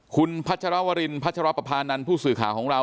คุณพัชรวรินพัชรปภานันทร์ผู้สื่อข่าวของเรา